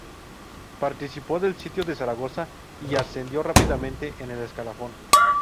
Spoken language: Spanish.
Participó del sitio de Zaragoza y ascendió rápidamente en el escalafón.